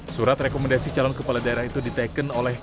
surat rekomendasi calon kepala daerah itu diteken oleh